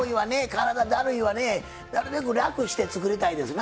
体だるいわねなるべく楽して作りたいですな。